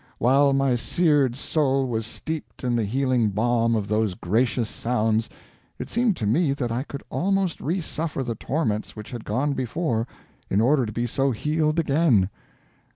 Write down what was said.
While my seared soul was steeped in the healing balm of those gracious sounds, it seemed to me that I could almost resuffer the torments which had gone before, in order to be so healed again.